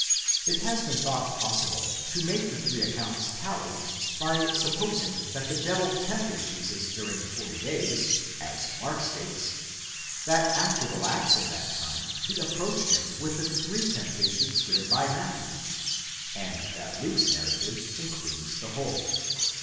* It has been thought possible to make the three accounts tally by supposing that the devil tempted Jesus during the forty days, as Mark states ; that after the lapse of that time he approached him with the three temptations given by Matthew; and that Luke's narrative includes the whole.>